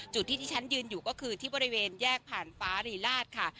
จุดที่ที่ฉันยืนอยู่ก็คือที่บริเวณแยกผ่านฟ้ารีราชค่ะ